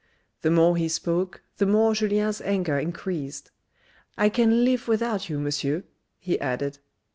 The more he spoke the more Julien's anger increased, " I can live without you, Monsieur," he added.